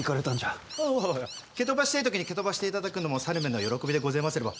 おお蹴飛ばしてぇ時に蹴飛ばしていただくのも猿めの喜びでごぜますれば。